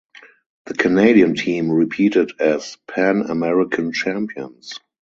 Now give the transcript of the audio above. The Canadian team repeated as Pan American Champions.